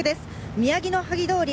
宮城野萩通り。